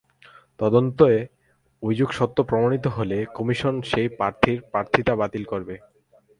তদন্তে অভিযোগ সত্য প্রমাণিত হলে কমিশন সেই প্রার্থীর প্রার্থিতা বাতিল করতে পারবে।